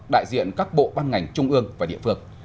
đại diện các bộ ban ngành trung ương và địa phương